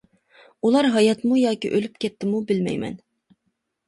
ئۇلار ھاياتمۇ ياكى ئۆلۈپ كەتتىمۇ، بىلمەيمەن.